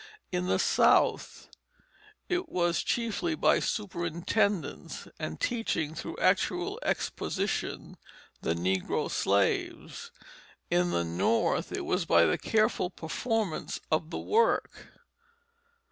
In the South it was chiefly by superintendence and teaching through actual exposition the negro slaves; in the North it was by the careful performance of the work.